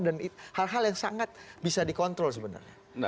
dan hal hal yang sangat bisa dikontrol sebenarnya